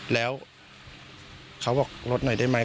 แล้วเขาบอกลดหน่อยได้ไหม